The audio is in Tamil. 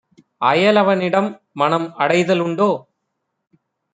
அயலவ னிடம்மனம் அடைத லுண்டோ?